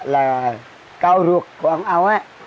là cao ruột của ông âu